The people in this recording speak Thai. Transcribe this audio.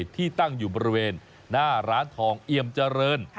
ที่ตั้งอยู่บริเวณหน้าร้านทองเอียมเจริญ